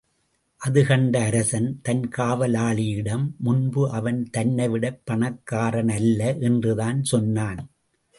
அதுகண்ட அரசன், தன் காவலாளியிடம், முன்பு அவன் தன்னைவிடப் பணக்காரணல்ல என்றுதான் சொன்னான்.